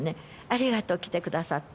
ありがとう、来てくださって。